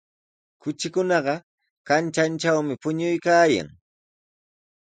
Kuchikunaqa kanchantrawmi puñuykaayan.